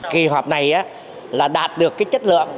kỳ họp này là đạt được cái chất lượng